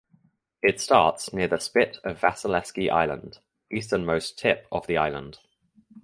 It starts near the Spit of Vasilievsky Island (easternmost tip of the island).